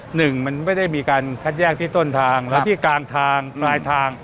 หนึ่งมันไม่ได้มีการคัดแยกที่ต้นทางแล้วที่กลางทางปลายทาง